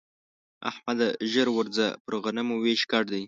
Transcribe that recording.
احمده! ژر ورځه پر غنمو وېش ګډ دی.